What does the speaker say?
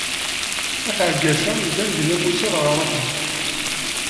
At Ɛaggaca ǧǧan dinna Musa dɣa ṛuḥen.